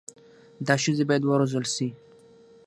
دا ښځي بايد و روزل سي